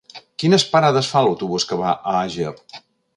Quines parades fa l'autobús que va a Àger?